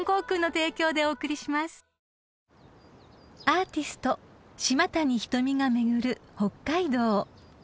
［アーティスト島谷ひとみが巡る北海道］